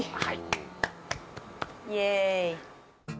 イエーイ。